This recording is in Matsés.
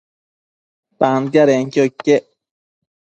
Tantiadenquio iquec